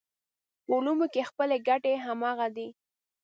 په علومو کې خپلې ګټې همغه دي.